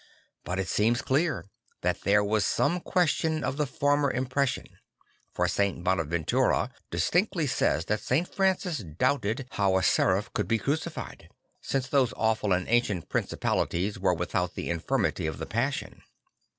But it seems clear that there was some question of the former impression; for St. Bonaventura distinctly says that St. Francis doubted how a seraph could be crucified, since those awful and ancient principalities were without the infirmity of the Passion.